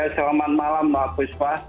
selamat malam mbak puspa